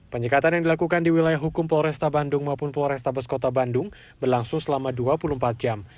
penyekatan yang dilakukan di wilayah hukum polresta bandung maupun polrestabes kota bandung berlangsung selama dua puluh empat jam